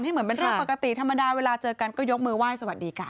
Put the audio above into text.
เหมือนเป็นเรื่องปกติธรรมดาเวลาเจอกันก็ยกมือไหว้สวัสดีกัน